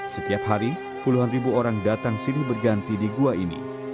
setiap hari puluhan ribu orang datang silih berganti di gua ini